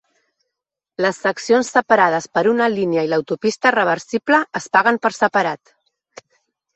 Les seccions separades per una línia i l'autopista reversible es paguen per separat.